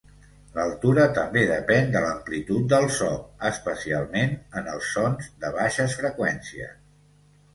L'altura també depèn de l'amplitud del so, especialment en els sons de baixes freqüències.